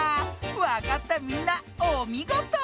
わかったみんなおみごと。